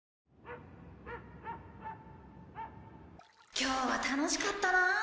今日は楽しかったな。